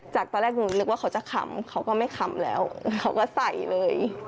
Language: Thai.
จากตอนแรกหนูนึกว่าเขาจะขำเขาก็ไม่ขำแล้วเขาก็ใส่เลย